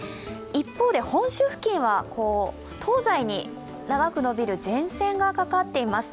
一方で本州付近は東西に長くのびる前線がかかっています。